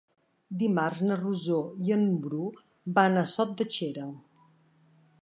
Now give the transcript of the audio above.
Dimarts na Rosó i en Bru van a Sot de Xera.